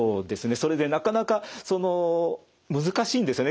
それでなかなか難しいんですよね。